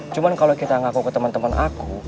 cuman kalo kita ngaku ke temen temen aku